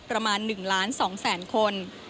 ประมาณ๑ล้าน๒แสนคน